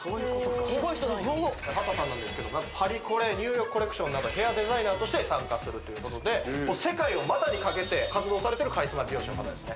すごい人なんや波多さんなんですけどパリコレニューヨークコレクションなどヘアデザイナーとして参加するということで世界を股にかけて活動されてるカリスマ美容師の方ですね